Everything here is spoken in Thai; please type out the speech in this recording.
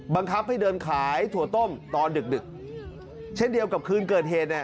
บังคับให้เดินขายถั่วต้มตอนดึกดึกเช่นเดียวกับคืนเกิดเหตุเนี่ย